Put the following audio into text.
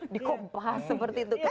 di kompas seperti itu kan